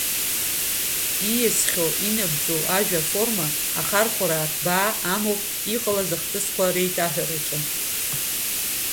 Ииасхьоу инагӡоу ажәаформа ахархәара ҭбаа амоуп иҟалаз ахҭысқәа реиҭаҳәараҿы.